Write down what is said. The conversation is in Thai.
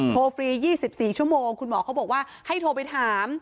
ฟรี๒๔ชั่วโมงคุณหมอเขาบอกว่าให้โทรไปถาม